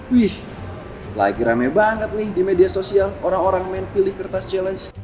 wih lagi rame banget nih di media sosial orang orang main pilih kertas challenge